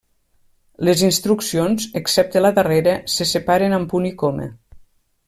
Les instruccions, excepte la darrera, se separen amb punt i coma.